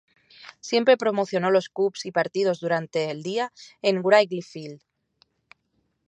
Siempre promocionó los Cubs y partidos durante el día en Wrigley Field.